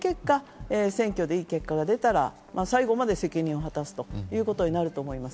いい結果が出たら、最後まで責任を果たすということになると思います。